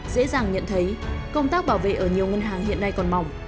dễ dàng nhận thấy công tác bảo vệ ở nhiều ngân hàng hiện nay còn mỏng